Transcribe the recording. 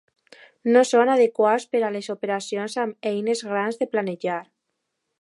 No són adequats per a les operacions amb eines grans de planejar.